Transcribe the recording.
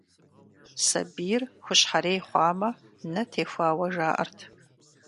Сабийр хущхьэрей хъуамэ, нэ техуауэ жаӀэрт.